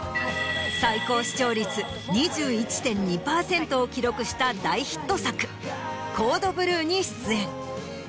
最高視聴率２１．２％を記録した大ヒット作『コード・ブルー』に出演。